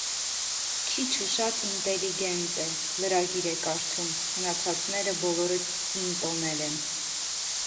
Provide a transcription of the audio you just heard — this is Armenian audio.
Քիչ ու շատ ինտելիգենտ է, լրագիր է կարդում, մնացածները բոլորը կինտոներ են: